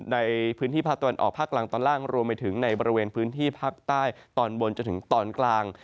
ในพื้นที่ภาคตะวันออกภาคกลางตอนล่างรวมไปถึงในบริเวณพื้นที่ภาคใต้ตอนบนจนถึงตอนกลาง